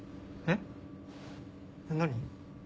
えっ何？